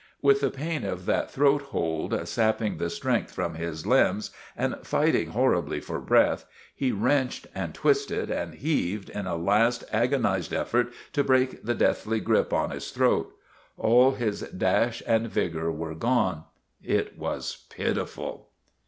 With the pain of that throat hold sap ping the strength from his limbs, and fighting hor ribly for breath, he wrenched and twisted and heaved in a last agonized effort to break the deathly grip on his throat. All his dash and vigor were gone. It was pitiful!